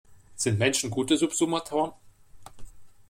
Sind Menschen gute Subsummatoren?